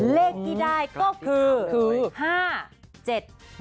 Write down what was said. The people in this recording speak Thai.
เลขที่ได้ก็คือ๕๗